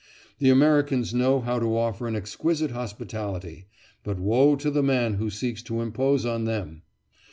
The Americans know how to offer an exquisite hospitality, but woe to the man who seeks to impose on them!